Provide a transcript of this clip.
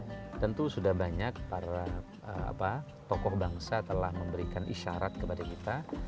ya tentu sudah banyak para tokoh bangsa telah memberikan isyarat kepada kita